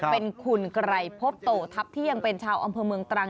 เป็นคุณไกรพบโตทัพเที่ยงเป็นชาวอำเภอเมืองตรัง